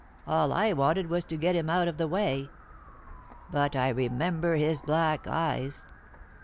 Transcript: All I wanted was to get him out of the way. But I remember his black eyes.